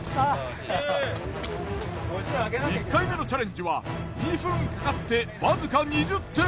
１回目のチャレンジは２分かかってわずか２０点。